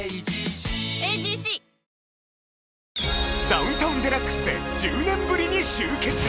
『ダウンタウンＤＸ』で１０年ぶりに集結